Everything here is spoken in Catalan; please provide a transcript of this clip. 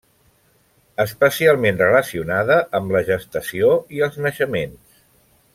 Especialment relacionada amb la gestació i els naixements.